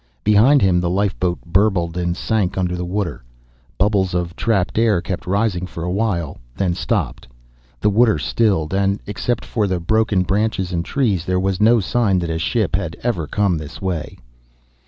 Behind him the lifeboat burbled and sank under the water. Bubbles of trapped air kept rising for a while, then stopped. The water stilled and, except for the broken branches and trees, there was no sign that a ship had ever come this way.